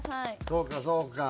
そうかそうか。